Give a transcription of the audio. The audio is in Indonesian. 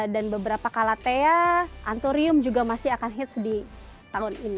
dan beberapa kalatea anturium juga masih akan hits di tahun ini